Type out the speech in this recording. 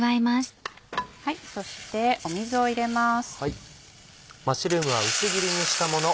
そして水を入れます。